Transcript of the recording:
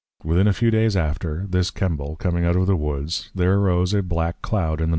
_ Within a few days after, this Kembal, coming out of the Woods, there arose a little Black Cloud in the N.